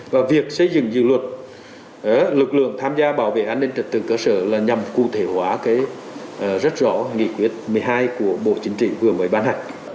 và việc xây dựng dự luật lực lượng tham gia bảo vệ an ninh trật tự cơ sở là nhằm cụ thể hóa rất rõ nghị quyết một mươi hai của bộ chính trị vừa mới ban hành